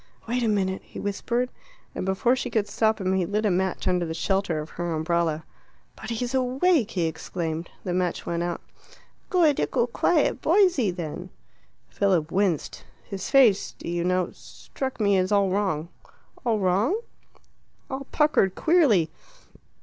"Wait a minute," he whispered, and before she could stop him he had lit a match under the shelter of her umbrella. "But he's awake!" he exclaimed. The match went out. "Good ickle quiet boysey, then." Philip winced. "His face, do you know, struck me as all wrong." "All wrong?" "All puckered queerly."